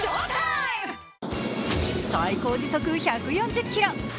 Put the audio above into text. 最高時速１４０キロ。